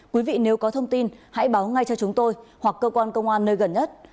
quý vị nếu có thông tin hãy báo ngay cho chúng tôi hoặc cơ quan công an nơi gần nhất